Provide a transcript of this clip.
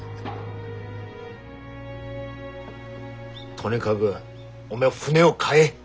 とにかぐおめえは船を買え。